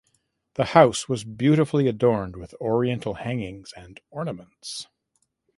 The house was beautifully adorned with Oriental hangings and ornaments.